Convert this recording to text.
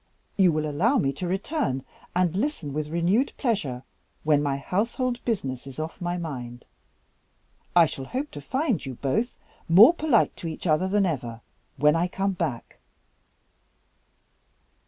You will allow me to return, and listen with renewed pleasure, when my household business is off my mind. I shall hope to find you both more polite to each other than ever when I come back."